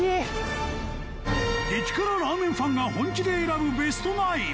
激辛ラーメンファンが本気で選ぶベスト９